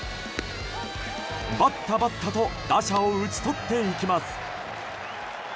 バッタバッタと打者を打ち取っていきます。